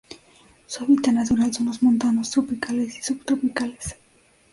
Su hábitat natural son los montanos tropicales o subtropicales.